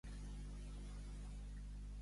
On hi hagi molt de menjar, hi haurà fam?